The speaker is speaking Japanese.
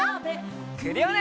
クリオネ！